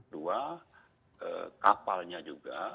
dua kapalnya juga